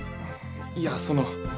いやその。